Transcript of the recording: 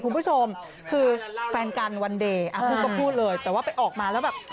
คุณผู้ชมคือแฟนกันวันเดย์อ่ะลูกก็พูดเลยแต่ว่าไปออกมาแล้วแบบ